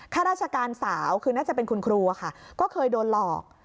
ข้าราชการสาวคือน่าจะเป็นคุณครูอะค่ะก็เคยโดนหลอก